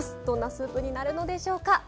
どんなスープになるのでしょうか？